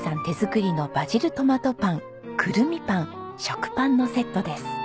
手作りのバジルトマトパンクルミパン食パンのセットです。